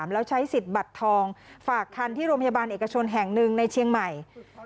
แล้วใช้สิทธิ์บัตรทองฝากคันที่โรงพยาบาลเอกชนแห่งหนึ่งในเชียงใหม่